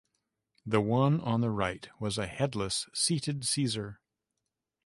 The one on the right was a headless seated Caesar.